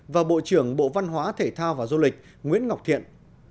và bộ trưởng bộ văn hóa thể thao và du lịch nguyễn ngọc thiện